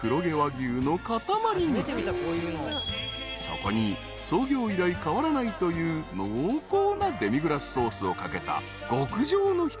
［そこに創業以来変わらないという濃厚なデミグラスソースをかけた極上の一品］